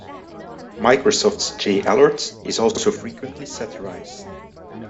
Microsoft's J Allard is also frequently satirized.